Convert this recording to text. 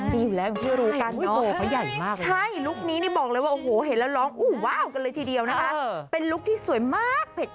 ดีอยู่แล้วคุณที่จะรู้กันเนอะ